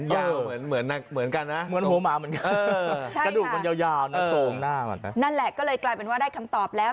ยาวเหมือนกันนะตรงหัวหมาเหมือนกันนะใช่ค่ะนั่นแหละก็เลยกลายเป็นว่าได้คำตอบแล้ว